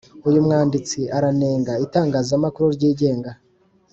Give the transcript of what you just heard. uyu mwanditsi aranenga itangazamakuru ryigenga.